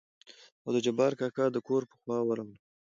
او د جبار کاکا دکور په خوا ورغلو.